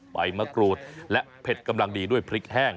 ใบมะกรูดและเผ็ดกำลังดีด้วยพริกแห้ง